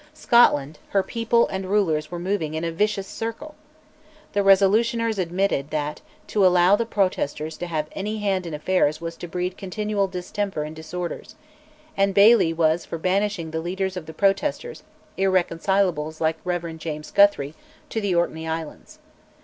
Scotland, her people and rulers were moving in a vicious circle. The Resolutioners admitted that to allow the Protesters to have any hand in affairs was "to breed continual distemper and disorders," and Baillie was for banishing the leaders of the Protesters, irreconcilables like the Rev. James Guthrie, to the Orkney islands.